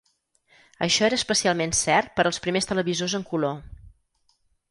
Això era especialment cert per als primers televisors en color.